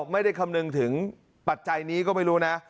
ไม่ได้คำนึงถึงปัจจัยนี้ก็ไม่รู้นะ